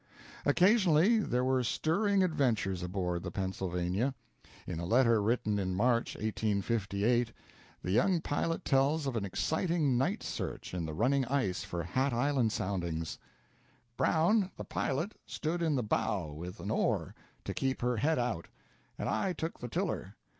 Occasionally there were stirring adventures aboard the "Pennsylvania." In a letter written in March, 1858, the young pilot tells of an exciting night search in the running ice for Hat Island soundings: Brown, the pilot, stood in the bow with an oar, to keep her head out, and I took the tiller.